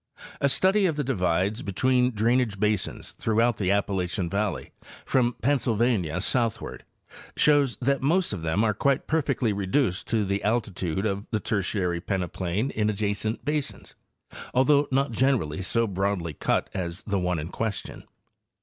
A study of the divides between drainage basins throughout the Appalachian valley from Pennsylvania southward shows that most of them are quite perfectly reduced to the altitude of the Tertiary pene plain in adjacent basins, although not generally so broadly cut as the one in question.